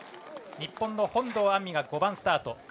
日本の本堂杏実が５番スタート。